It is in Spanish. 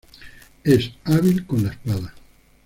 Es hábil con la espada.